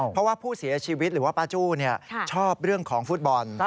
เพราะว่าผู้เสียชีวิตหรือว่าป้าจู้ชอบเรื่องของฟุตบอล